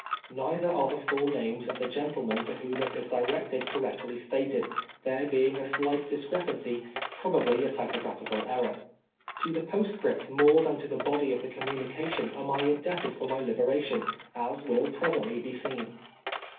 Nei ther are the full names of the gentlemen to whom it is directed correctly stated, there lacing a slight dis crepancy, i)ri>l)al)ly a typograpliical err^r. To the postscript more than to the body of the communica tion am I indebted for my liberation, as will present ly be seen.